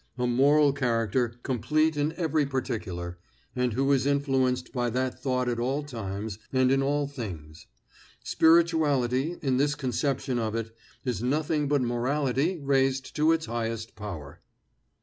a moral character complete in every particular, and who is influenced by that thought at all times and in all things. Spirituality, in this conception of it, is nothing but morality raised to its highest power.